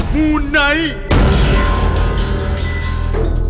มูไนท์